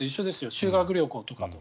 修学旅行とかと。